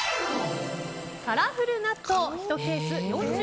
カラフル納豆、１ケース４０ｇ